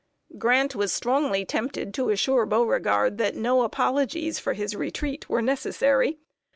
Grant was strongly tempted to assure Beauregard that no apologies for his retreat were necessary!